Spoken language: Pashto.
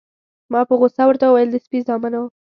ما په غوسه ورته وویل: د سپي زامنو.